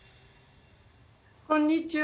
こんにちは。